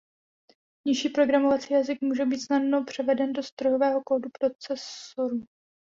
Nižší programovací jazyk může být snadno převeden do strojového kódu procesoru.